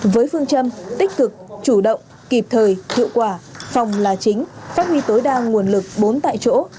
với phương châm tích cực chủ động kịp thời hiệu quả phòng là chính phát huy tối đa nguồn lực bốn tại chỗ